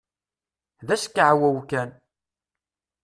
D askeɛwew kan!